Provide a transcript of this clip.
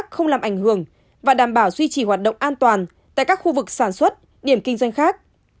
không làm ảnh hưởng và đảm bảo duy trì hoạt động an toàn tại các khu vực sản xuất điểm kinh doanh khác